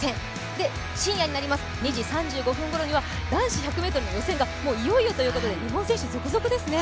で、深夜になります２時３５分ごろには男子１００ｍ予選といよいよということで日本選手、続々ですね。